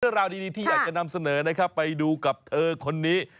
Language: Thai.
เรื่องราวดีที่อยากจะนำเสนอนะครับไปดูกับเธอคนนี้